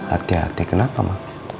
adik adik kenapa ma